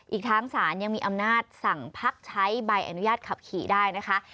อีกทั้งศาลยังมีอำนาจสั่งพักใช้ใบอนุญาตขับขี่ได้นะคะ